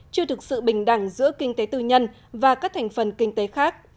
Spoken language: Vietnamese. chưa thực sự bình đẳng giữa kinh tế tư nhân và các thành phần kinh tế khác